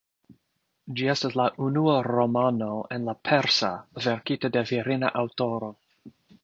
Ĝi estas la unua romano en la persa verkita de virina aŭtoro.